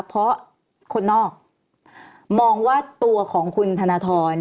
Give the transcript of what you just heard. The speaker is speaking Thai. เพราะคนนอกมองว่าตัวของคุณธนทร